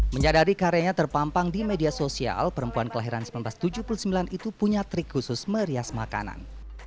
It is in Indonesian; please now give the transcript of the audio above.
menyadari karyanya terpampang di media sosial perempuan kelahiran seribu sembilan ratus tujuh puluh sembilan itu punya trik khusus merias makanan